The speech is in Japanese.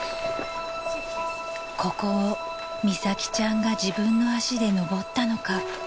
［ここを美咲ちゃんが自分の足で登ったのか］